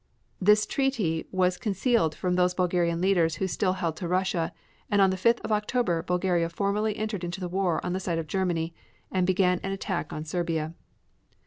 This treaty was concealed from those Bulgarian leaders who still held to Russia, and on the 5th of October Bulgaria formally entered into war on the side of Germany, and began an attack on Serbia.